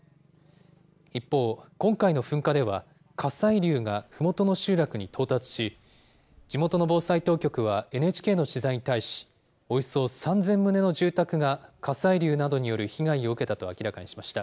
一方、今回の噴火では、火砕流がふもとの集落に到達し、地元の防災当局はＮＨＫの取材に対し、およそ３０００棟の住宅が、火砕流などによる被害を受けたと明らかにしました。